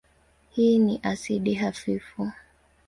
Hii ni asidi hafifu.